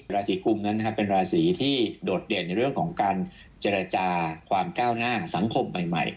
ราศีกุมนั้นเป็นราศีที่โดดเด่นในเรื่องของการเจรจาความก้าวหน้าสังคมใหม่